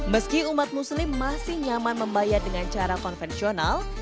meski umat muslim masih nyaman membayar dengan cara konvensional